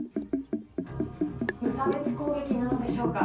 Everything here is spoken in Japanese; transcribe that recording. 無差別攻撃なのでしょうか。